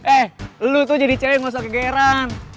eh lo tuh jadi cewek gausah kegairan